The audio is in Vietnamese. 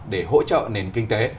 để hỗ trợ nền kinh tế